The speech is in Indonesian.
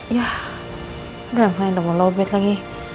yah udah mending mau lowbat lagi